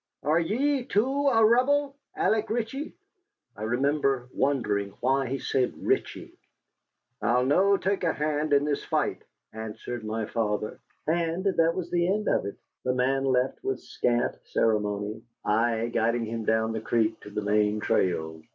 Are ye, too, a Rebel, Alec Ritchie?" I remember wondering why he said Ritchie. "I'll no take a hand in this fight," answered my father. And that was the end of it. The man left with scant ceremony, I guiding him down the creek to the main trail.